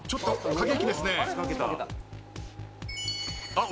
あっ！